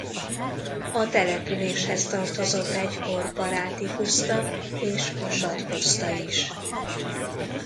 A településhez tartozott egykor Baráti puszta és Vasad puszta is.